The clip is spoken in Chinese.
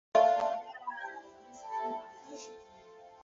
部分房屋屋顶的木瓦被风吹飞。